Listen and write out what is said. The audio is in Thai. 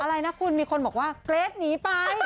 อะไรนะคุณมีคนบอกว่าเกรทหนีไป